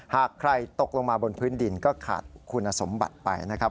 หากใครตกลงมาบนพื้นดินก็ขาดคุณสมบัติไปนะครับ